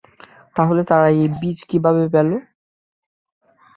তাহলে তারা এই বীজ কীভাবে পেলো?